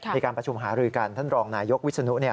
มีการประชุมหารือกันท่านรองนายยกวิศนุ